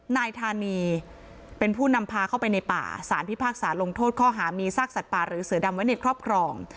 นายธานีเป็นผู้นำพาเข้าไปในป่าสารพิพากษาลงโทษข้อหามีซากสัตว์ป่าหรือเสือดำไว้ในครอบครอง